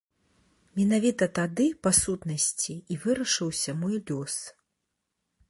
Менавіта тады, па сутнасці, і вырашыўся мой лёс.